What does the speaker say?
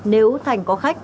nếu thành có khách